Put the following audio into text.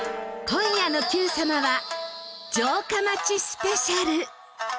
今夜の『Ｑさま！！』は城下町スペシャル！